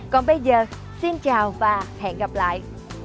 còn bây giờ xin chào và hẹn gặp lại